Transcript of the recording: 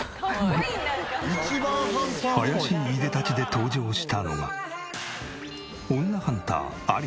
怪しいいでたちで登場したのは女ハンターアリス。